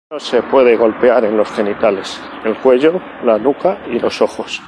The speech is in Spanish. No se puede golpear en los genitales, el cuello, la nuca y los ojos.